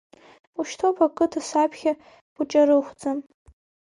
Ушьҭоуп ақыҭа саԥхьа уҷарыхәӡа.